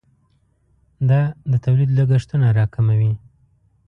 دا د تولید لګښتونه راکموي.